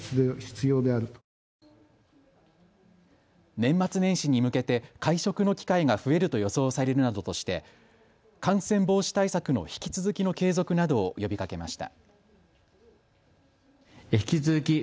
年末年始に向けて会食の機会が増えると予想されるなどとして感染防止対策の引き続きの継続などを呼びかけました。